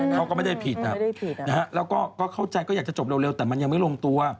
เขาก็ไม่ได้ผิดนะฮะแล้วก็เข้าใจก็อยากจะจบเร็วแต่มันยังไม่ลงตัว